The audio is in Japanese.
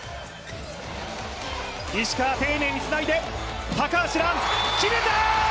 石川、丁寧につないで高橋藍、決めた。